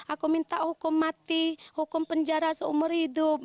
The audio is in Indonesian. aku minta hukum mati hukum penjara seumur hidup